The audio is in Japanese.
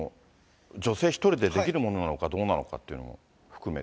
女性１人でできるものなのかどうなのかというのも含めて。